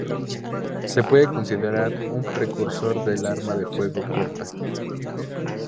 Se puede considerar un precursor del arma de fuego corta.